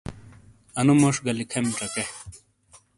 انو موش گہ لکھیم چکے۔